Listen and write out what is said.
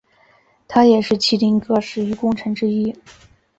他也是麒麟阁十一功臣之一。